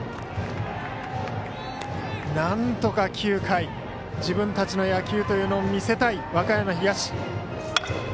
なんとか９回自分たちの野球というのを見せたい和歌山東。